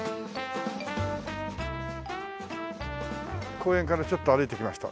公園からちょっと歩いてきました。